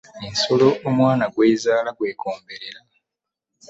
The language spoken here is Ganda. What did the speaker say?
Ensolo omwan gw'ezaala gwekomberera .